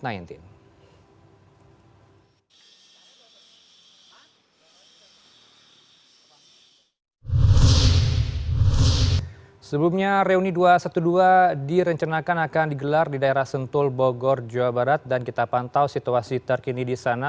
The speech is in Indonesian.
sebelumnya reuni dua ratus dua belas direncanakan akan digelar di daerah sentul bogor jawa barat dan kita pantau situasi terkini di sana